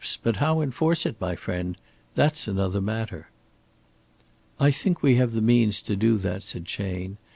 But how enforce it, my friend? That's another matter." "I think we have the means to do that," said Chayne.